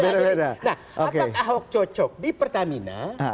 nah apakah ahok cocok di pertamina